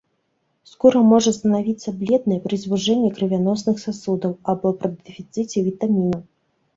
Скура можа станавіцца бледнай пры звужэнні крывяносных сасудаў або пры дэфіцыце вітамінаў.